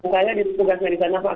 saya tugasnya di sana pak